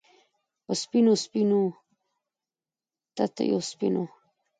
په سپینو، سپینو تتېو سپینو